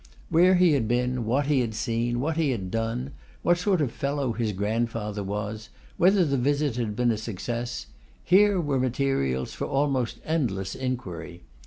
Where he had been, what he had seen, what he had done, what sort of fellow his grandfather was, whether the visit had been a success; here were materials for almost endless inquiry.